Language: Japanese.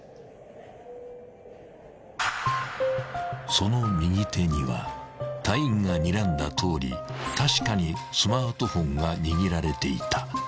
［その右手には隊員がにらんだとおり確かにスマートフォンが握られていた］